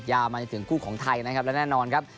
มาจนถึงคู่ของไทยนะครับและแน่นอนครับ